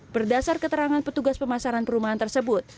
berdasar keterangan petugas pemasaran perumahan tersebut